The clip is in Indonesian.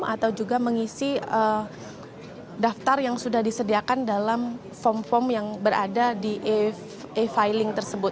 atau juga mengisi daftar yang sudah disediakan dalam form form yang berada di e filing tersebut